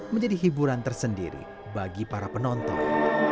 menjadi hiburan tersendiri bagi para penonton